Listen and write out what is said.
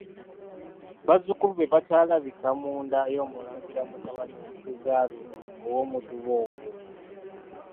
Bazzukulu be bakyalabika mu nda y'Omulangira mutabani we Sezaaluno ow'Omutuba ogwo.